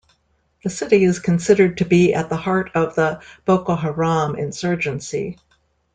The city is considered to be at the heart of the Boko Haram insurgency.